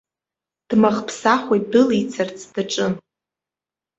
Дмахԥсахуа идәылицарц даҿын.